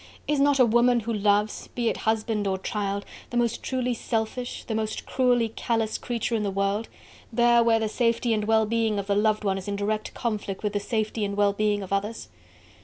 Is not a woman who loves be it husband or child the most truly selfish, the most cruelly callous creature in the world, there, where the safety and the well being of the loved one is in direct conflict with the safety and well being of others.